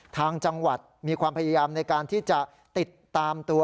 ทางจังหวัดมีความพยายามในการที่จะติดตามตัว